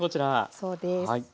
そうです。